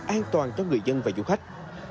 an toàn cho người dân và du khách